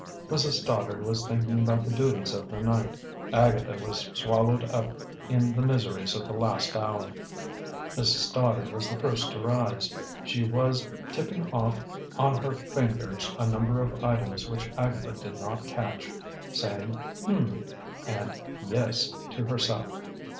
Mrs. Stoddard was thinking about the duties of the night, Agatha was swallowed up in the miseries of the last hour. Mrs. Stoddard was the first to rise. She was tipping off on her fingers a number of items which Agatha did not catch, saying "Hm!" and "Yes!" to herself.